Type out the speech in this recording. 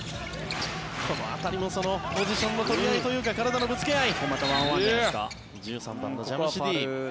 この当たりもポジションの取り合いというか体のぶつけ合い。